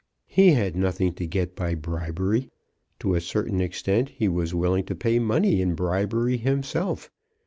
He had nothing to get by bribery. To a certain extent he was willing to pay money in bribery himself.